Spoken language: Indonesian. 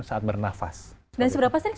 saat bernafas dan seberapa sering